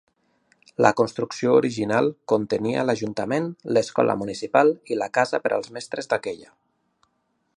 La construcció original contenia l'Ajuntament, l'Escola Municipal i la casa per als mestres d'aquella.